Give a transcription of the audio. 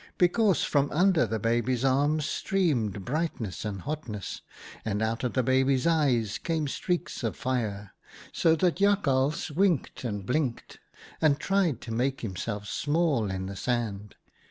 Because from under the baby's arms streamed bright ness and hotness, and out of the baby's eyes came streaks of fire, so that Jakhals winked and blinked, and tried to make him self small in the sand.